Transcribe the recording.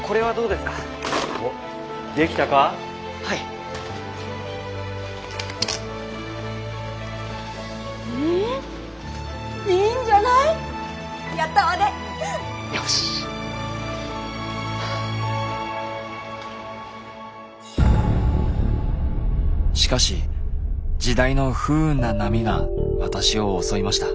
しかし時代の不運な波が私を襲いました。